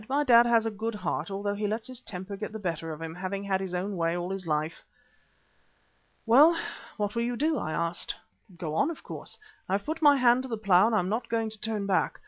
"My dad has a good heart, although he lets his temper get the better of him, having had his own way all his life." "Well, what will you do?" I asked. "Go on, of course. I've put my hand to the plough and I am not going to turn back.